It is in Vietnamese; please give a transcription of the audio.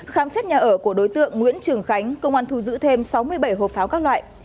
khám xét nhà ở của đối tượng nguyễn trường khánh công an thu giữ thêm sáu mươi bảy hộp pháo các loại